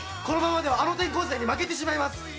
このままではあの転校生に負けてしまいます。